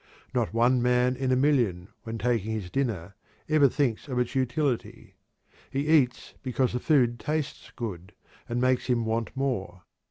Not one man in a million, when taking his dinner, ever thinks of its utility. He eats because the food tastes good, and makes him want more.